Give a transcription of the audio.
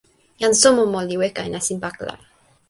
jan Somomo li weka e nasin pakala.